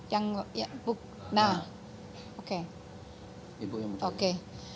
yang buk nah oke